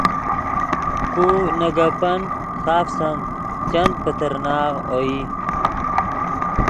کو نے گپن خافس ام چند پیترناغ اوئی